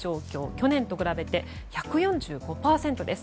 去年と比べて１４５％です。